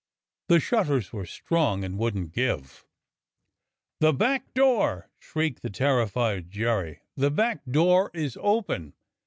The shutters were strong and wouldn't give. The back door !" shrieked the terrified Jerry. " The back door is open!"